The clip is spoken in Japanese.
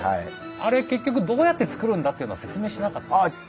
あれ結局どうやって作るんだっていうのは説明しなかったんですよ。